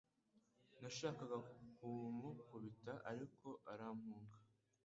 Nashakaga kumukubita ariko arampunga